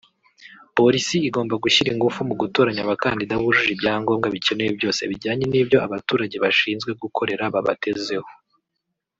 Polisi igomba gushyira ingufu mu gutoranya abakandida bujuje ibyangombwa bikenewe byose bijyanye n’ibyo abaturage bashinzwe gukorera babatezeho